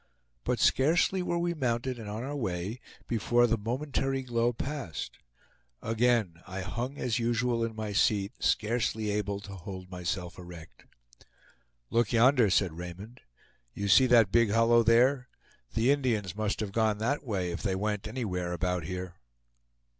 But scarcely were we mounted and on our way before the momentary glow passed. Again I hung as usual in my seat, scarcely able to hold myself erect. "Look yonder," said Raymond; "you see that big hollow there; the Indians must have gone that way, if they went anywhere about here."